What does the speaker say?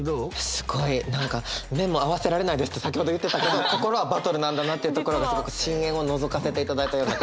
すごい何か目も合わせられないですって先ほど言ってたけど心はバトルなんだなっていうところがすごく深えんをのぞかせていただいたような。